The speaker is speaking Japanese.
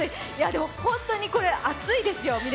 でも本当にこれ、熱いですよ。